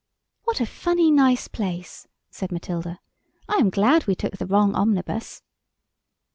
"What a funny, nice place," said Matilda. "I am glad we took the wrong omnibus."